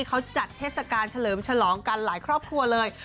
เขาจัดเทศกาลเฉลิมฉลองกันหลายครอบครัวเลย